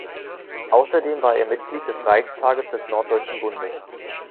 Außerdem war er Mitglied des Reichstages des Norddeutschen Bundes.